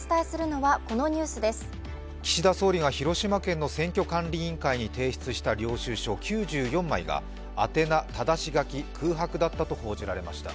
岸田総理が広島県の選挙管理委員会に提出した領収書９４枚が宛名、ただし書き空白だったと報じられました。